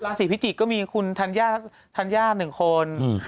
ราศีพี่จิกก็มีคุณธัญญา๑คน